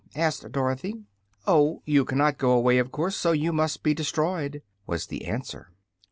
asked Dorothy. "Oh, you cannot go away, of course; so you must be destroyed," was the answer.